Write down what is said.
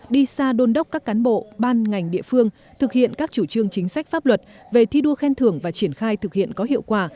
đi xa đôn đốc các cán bộ ban ngành địa phương thực hiện các chủ trương chính sách pháp luật về thi đua khen thưởng và triển khai thực hiện có hiệu quả